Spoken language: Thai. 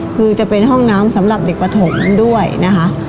คือจะเป็นห้องน้ำสำหรับเด็กปฐมด้วยนะคะ